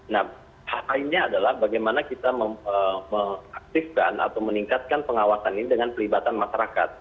nah hal lainnya adalah bagaimana kita mengaktifkan atau meningkatkan pengawasan ini dengan pelibatan masyarakat